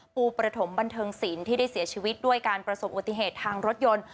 ประถมบันเทิงศิลป์ที่ได้เสียชีวิตด้วยการประสบอุบัติเหตุทางรถยนต์